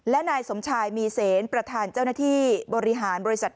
และนายสมชายมีเสนประธานเจ้าหน้าที่บริหารบริษัท